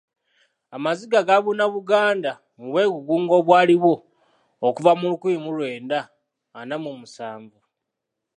Amaziga gaabuna Buganda mu bwegugungo obwaliwo okuva mu lukumi mu lwenda ana mu musanvu.